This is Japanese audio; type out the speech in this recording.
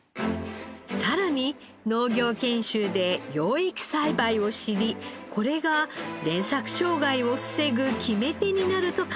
さらに農業研修で養液栽培を知りこれが連作障害を防ぐ決め手になると感じました。